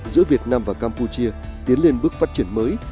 giữa việt nam và campuchia tiến lên bước phát triển mới